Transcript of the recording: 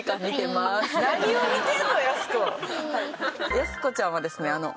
やす子ちゃんはですねえっ？